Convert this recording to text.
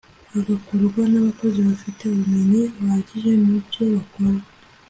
hagakoreshwa n’abakozi bafite ubumenyi buhagije mu byo bakora